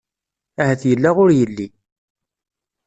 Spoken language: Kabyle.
Ahat yella ur yelli.